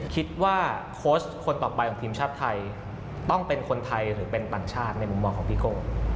คิดว่าโค้ชคนต่อไปของทีมชาติไทยต้องเป็นคนไทยหรือเป็นต่างชาติในมุมมองของพี่โก้